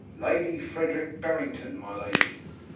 'Lady Frederick Berrington, my lady.